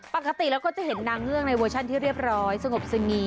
ปกติเราก็จะเห็นนางเงือกในเวอร์ชันที่เรียบร้อยสงบสงี่